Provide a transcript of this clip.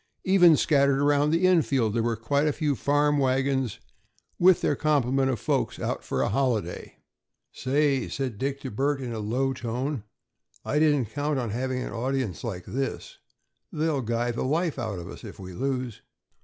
Even scattered around the infield there were quite a few farm wagons, with their complement of folks out for a holiday. "Say," said Dick to Bert in a low tone, "I didn't count on having an audience like this. They'll guy the life out of us if we lose."